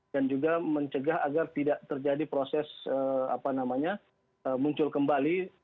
dan juga mencegah agar tidak terjadi proses muncul kembali